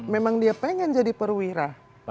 memang dia pengen jadi perwira